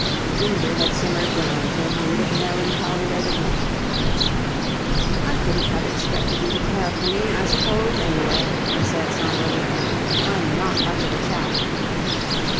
Ginger had simmered down to a mood of melancholy resignation. "I couldn't have expected you to care for me, I suppose, anyway," he said, sombrely. "I'm not much of a chap."